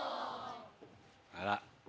あら。